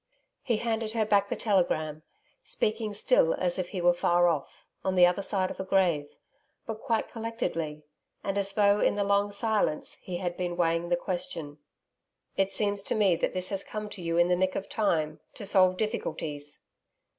He handed her back the telegram, speaking still as if he were far off on the other side of a grave, but quite collectedly and as though in the long silence he had been weighing the question. 'It seems to me that this has come to you in the nick of time, to solve difficulties.'